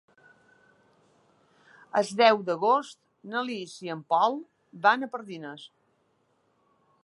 El deu d'agost na Lis i en Pol van a Pardines.